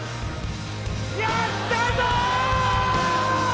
やったぞ！